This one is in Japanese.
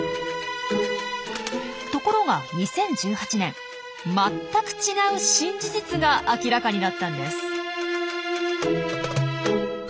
ところが２０１８年全く違う新事実が明らかになったんです。